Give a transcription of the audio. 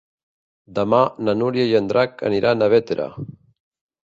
Demà na Núria i en Drac aniran a Bétera.